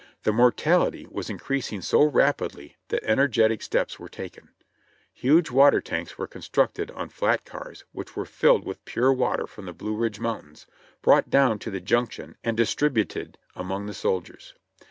The mortality was increasing so rapidly that energetic sreps were taken ; huge water tanks were constructed on flat cars which were filled with pure water from the Blue Ridge mountains, brought down to the junction and distributed among the soldiers.